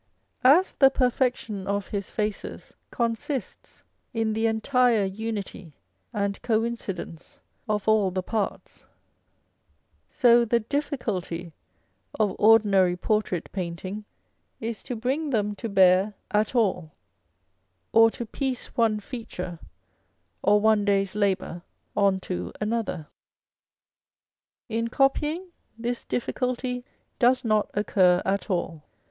As the perfection of his faces consists in the entire unity and coincidence of all the parts, so the difficulty of ordinary portrait painting is to bring them to bear at all, or to piece one feature, or one day's labour on to another. In copying, this difficulty does not occur at all.